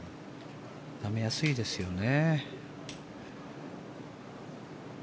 痛めやすいですよね。